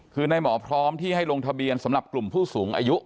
คือในหมอพร้อมที่ให้ลงทะเบียนสำหรับกลุ่มผู้สูงอายุ